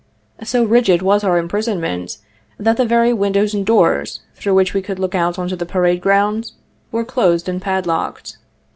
So rigid was our imprisonment, that the very windows and doors, through which we could look out on the pa rade ground, were closed and padlocked.